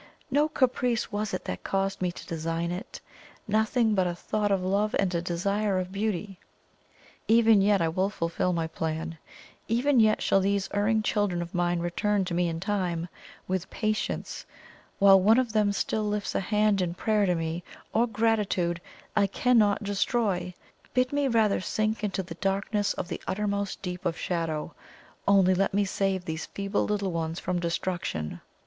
No caprice was it that caused me to design it; nothing but a thought of love and a desire of beauty. Even yet I will fulfil my plan even yet shall these erring children of mine return to me in time, with patience. While one of them still lifts a hand in prayer to me, or gratitude, I cannot destroy! Bid me rather sink into the darkness of the uttermost deep of shadow; only let me save these feeble little ones from destruction!"